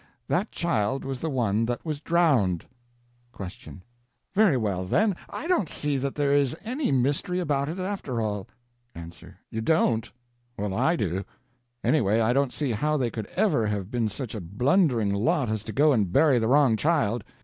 That child was the one that was drowned! Q. Very well, then, I don't see that there is any mystery about it, after all. A. You don't? Well, I do. Anyway, I don't see how they could ever have been such a blundering lot as to go and bury the wrong child.